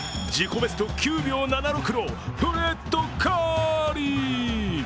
ベスト９秒７６のフレッド・カーリー。